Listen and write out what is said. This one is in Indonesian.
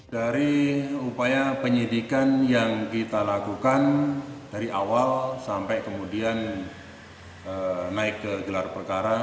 dari upaya penyidikan yang kita lakukan dari awal sampai kemudian naik ke gelar perkara